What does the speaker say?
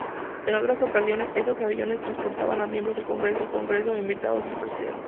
En otras ocasiones estos aviones transportan a miembros del congreso o invitados del presidente.